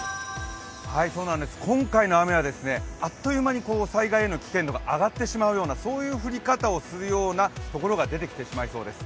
今回の雨はあっという間に災害への危険度が上がってしまうようなそういう降り方をするようなところが出てきてしまいそうです。